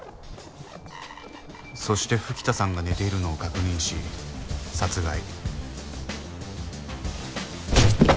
そして吹田さんが寝ているのを確認し殺害。